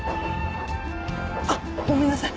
あっごめんなさい。